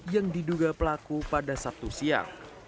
yang diduga pelaku pada sabtu siang